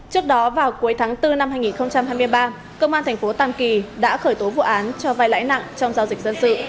trước đó vào cuối tháng bốn năm hai nghìn hai mươi ba công an thành phố tam kỳ đã khởi tố vụ án cho vai lãi nặng trong giao dịch dân sự